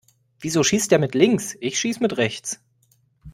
Wieso schießt der mit links? Ich schieß mit rechts.